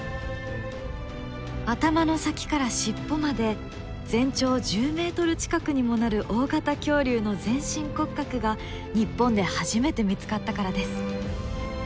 頭の先から尻尾まで全長１０ｍ近くにもなる大型恐竜の全身骨格が日本で初めて見つかったからです。